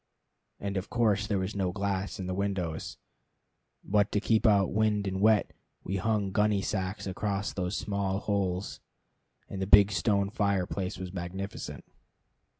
And of course there was no glass in the windows; but to keep out wind and wet we hung gunny sacks across those small holes, and the big stone fireplace was magnificent.